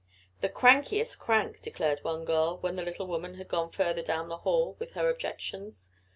"The crankiest crank," declared one girl, when the little woman had gone further down the hall with her objections.